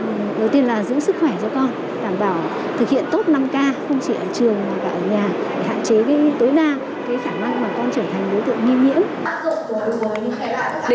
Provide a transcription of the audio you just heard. hạn chế tối đa cái khả năng mà con trở thành đối tượng nghi nhiễm